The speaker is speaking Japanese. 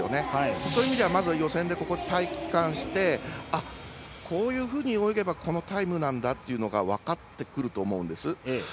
そういう意味ではまず予選でここを体感してこういうふうに泳げばこのタイムなんだと分かってくると思うんです。